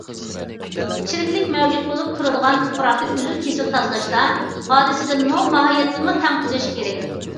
چىرىكلىك مەۋجۇت بولۇپ تۇرىدىغان تۇپراقنى ئۈزۈل- كېسىل تازىلاشتا، ھادىسىدىنمۇ، ماھىيەتتىنمۇ تەڭ تۈزەش كېرەك.